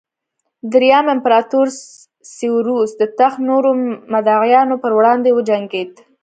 درېیم امپراتور سېوروس د تخت نورو مدعیانو پر وړاندې وجنګېد